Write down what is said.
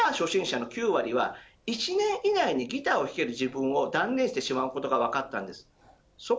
ただし、ギター初心者の９割は１年以内にギターを弾ける自分を断念してしまうことが分かったんです。